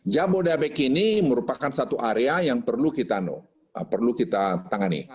jabodebek ini merupakan satu area yang perlu kita tangani